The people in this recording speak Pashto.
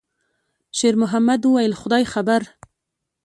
شېرمحمد وویل: «خدای خبر.»